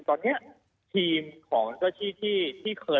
ตอนนี้ทีมของเจ้าที่ที่เคย